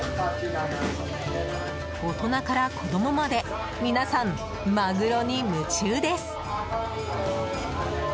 大人から子供まで皆さん、マグロに夢中です。